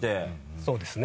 そうですね。